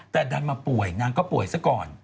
แต่ดันมาป่วยนางก็ป่วยซะก่อน